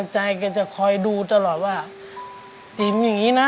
สามีก็ต้องพาเราไปขับรถเล่นดูแลเราเป็นอย่างดีตลอดสี่ปีที่ผ่านมา